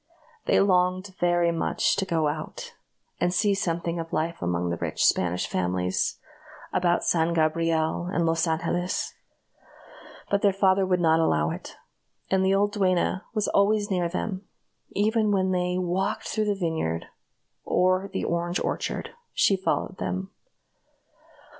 They longed very much to go out, and see something of life among the rich Spanish families about San Gabriel and Los Angeles, but their father would not allow it; and the old duenna was always near them; even when they walked through the vineyard or the orange orchard, she followed them.